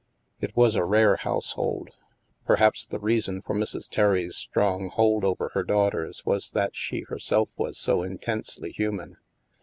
It was a rare household. Perhaps the reason for Mrs. Terry's strong hold over her daughters was that she herself was so intensely human.